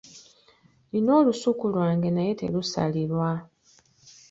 Nina olusuku lwange naye terusalirwa.